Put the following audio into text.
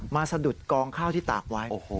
สะดุดกองข้าวที่ตากไว้